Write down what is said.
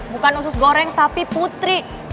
bukan usus goreng tapi putri